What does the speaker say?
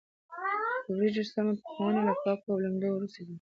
د وریجو سمه پخونه له پاکولو او لمدولو وروسته کېږي.